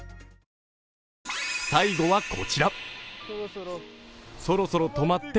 最後はこちら。